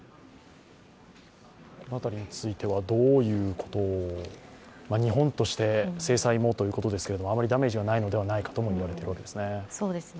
この辺りについてはどういうこと、日本として制裁もということですけれども、あまりダメージはないんじゃないかとも言われていますね。